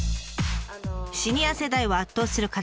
シニア世代を圧倒する活躍。